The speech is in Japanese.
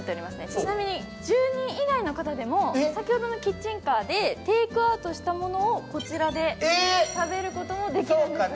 ちなみに住人以外の方でも、先ほどのキッチンカーでテイクアウトしたものをこちらで食べることもできるんです。